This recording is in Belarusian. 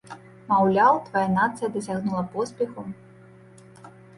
Маўляў, твая нацыя дасягнула поспеху?